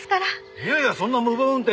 いやいやそんな無謀運転